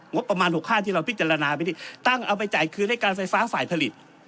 งบประมาณ๖๕ที่เราพิจารณาไปที่ตั้งเอาไปจ่ายคืนให้การไฟฟ้าฝ่ายผลิต